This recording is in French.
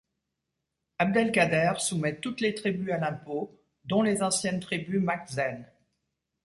Abdelkader soumet toutes les tribus à l’impôt, dont les anciennes tribus makhzen.